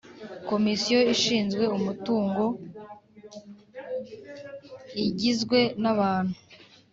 Komisiyo ishinzwe umutungo igizwe n abantu